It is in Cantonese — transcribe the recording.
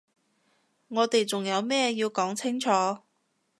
我哋仲有咩要講清楚？